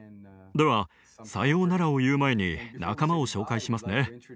ではさようならを言う前に仲間を紹介しますね。